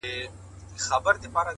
پرمختګ د نن له پرېکړو جوړېږي’